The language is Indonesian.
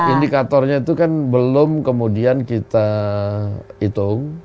indikatornya itu kan belum kemudian kita hitung